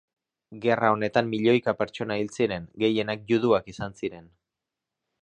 Gerra honetan milioika pertsona hil ziren, gehienak juduak izan ziren.